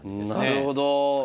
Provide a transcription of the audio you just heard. なるほど。